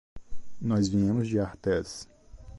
Nós viemos de Artés.